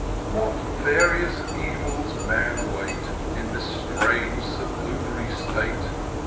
HAT various evils man await^ In this strange^ sublu nary state